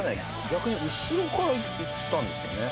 逆に後ろからいったんですよね。